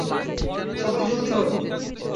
সবাই জলদি করো।